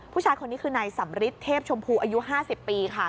ผู้ชายคนนี้คือนายสำริทเทพชมพูอายุ๕๐ปีค่ะ